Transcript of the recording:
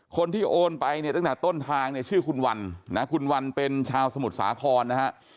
คนที่โอนไปเนี่ยตั้งแต่ต้นทางเนี่ยชื่อคุณวันนะคุณวันเป็นชาวสมุทรสาครนะฮะ